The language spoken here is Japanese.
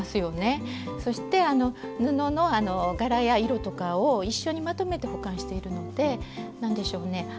そして布の柄や色とかを一緒にまとめて保管しているので何でしょうね